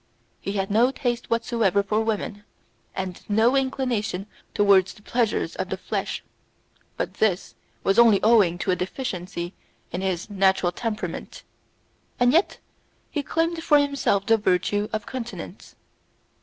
He had no taste whatever for women, and no inclination towards the pleasures of the flesh; but this was only owing to a deficiency in his natural temperament, and yet he claimed for himself the virtue of continence.